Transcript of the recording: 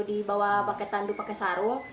dibawa pakai tandu pakai sarung